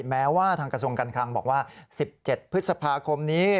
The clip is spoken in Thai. แม้ว่าทางกระทรวงการคลังบอกว่า๑๗พฤษภาคมนี้